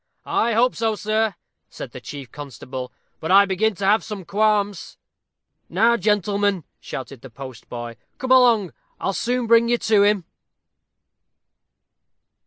"I hope so, sir," said the chief constable, "but I begin to have some qualms." "Now, gentlemen," shouted the postboy, "come along. I'll soon bring you to him."